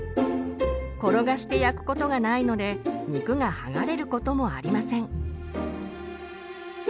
転がして焼くことがないので肉が剥がれることもありません。